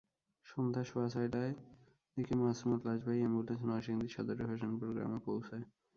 সন্ধ্যা সোয়া ছয়টার দিকে মাসুমার লাশবাহী অ্যাম্বুলেন্স নরসিংদী সদরের হোসেনপুর গ্রামে পৌঁছায়।